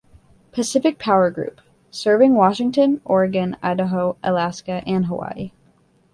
Pacific Power Group - Serving Washington, Oregon, Idaho, Alaska and Hawaii.